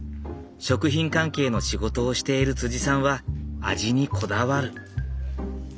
食品関係の仕事をしているさんは味にこだわる。